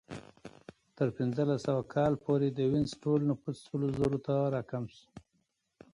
تر پنځلس سوه کال پورې د وینز ټول نفوس سل زرو ته راکم شو